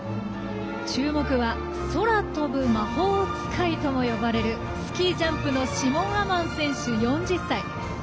注目は空飛ぶ魔法使いとも呼ばれるスキージャンプのシモン・アマン選手、４０歳。